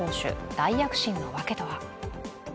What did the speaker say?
大躍進のわけとは。